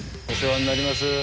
お世話になります。